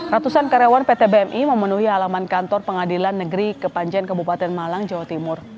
ratusan karyawan pt bmi memenuhi halaman kantor pengadilan negeri kepanjen kebupaten malang jawa timur